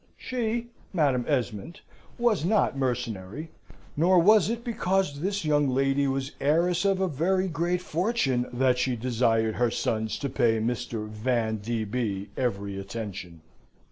She, Madam Esmond, was not mercenary, nor was it because this young lady was heiress of a very great fortune that she desired her sons to pay Mr. Van d. B. every attention.